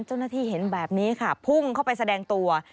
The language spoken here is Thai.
เจ้าหน้าที่เห็นแบบนี้ค่ะพุ่งเข้าไปแสดงตัว